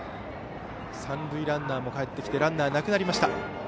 三塁ランナーもかえってランナーなくなりました。